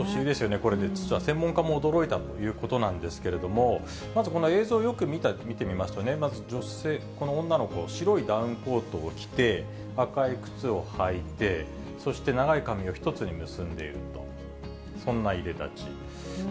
これ実は専門家も驚いたということなんですけれども、まずこの映像をよく見てみますとね、まず女性、この女の子、白いダウンコートを着て、赤い靴を履いて、そして長い髪を一つに結んでいると、そんないでたちです。